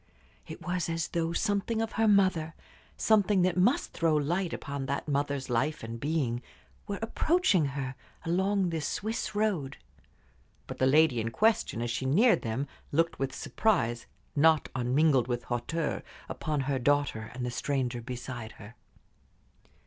It was as though something of her mother, something that must throw light upon that mother's life and being, were approaching her along this Swiss road. But the lady in question, as she neared them, looked with surprise, not unmingled with hauteur, upon her daughter and the stranger beside her.